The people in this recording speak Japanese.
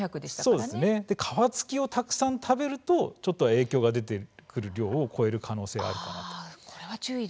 皮付きをたくさん食べると影響が出てくる量を超える可能性があります。